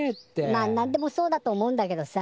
まあなんでもそうだと思うんだけどさ